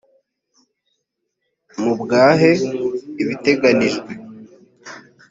mubwahe ibiteganijwe .